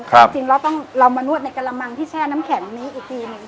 จริงแล้วต้องเรามานวดในกระมังที่แช่น้ำแข็งนี้อีกทีหนึ่ง